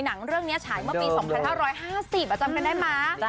หนังเรื่องนี้ฉายเมื่อปี๒๕๕๐จำกันได้ไหม